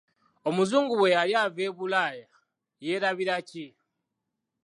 Omuzungu bwe yali ava e Bulaaya yeerabira ki?